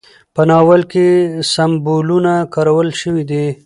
په ناول کې سمبولونه کارول شوي دي.